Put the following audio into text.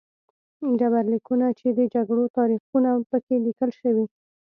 ډبرلیکونه چې د جګړو تاریخونه په کې لیکل شوي